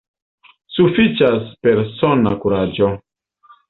Sufiĉas persona kuraĝo.